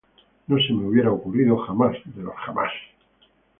No se me hubiera ocurrido jamás de los jamases